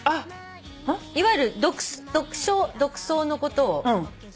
いわゆる独唱独奏のことを。